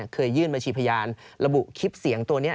ยื่นบัญชีพยานระบุคลิปเสียงตัวนี้